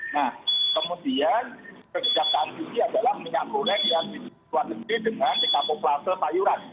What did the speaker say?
nah kemudian kejahatan ini adalah minyak goreng yang diperluas negeri dengan dikapuk lakse payuran